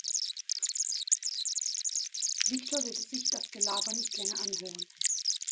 Viktor will sich das Gelaber nicht länger anhören.